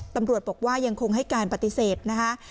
ตำรวจบอกว่ายังคงให้การปฏิเสธนะคะ